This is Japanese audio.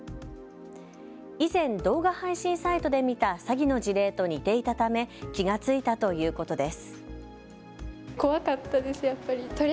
以前、動画配信サイトで見た詐欺の事例と似ていたため気が付いたということです。